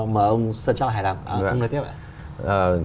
mà ông sơn cho hài lòng